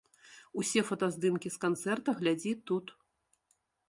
Усе фотаздымкі з канцэрта глядзі тут.